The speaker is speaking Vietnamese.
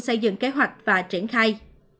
xây dựng kế hoạch và triển khai